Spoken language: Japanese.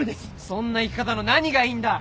そんな生き方の何がいいんだ。